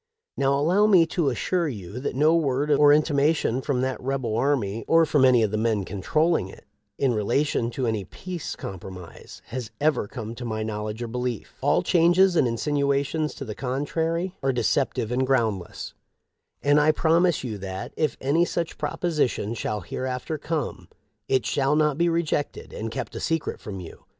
Now allow me to assure you that no word or intimation from that rebel army or from any of the men controlling it, in relation to any peace compromise, has ever come to my knowledge or belief. "All changes and insinuations to the contrary 552 THE UFk OF LINCOLN. are deceptive and groundless. And I promise you that, if any such proposition shall hereafter come, it shall not be rejected and kept a secret from you.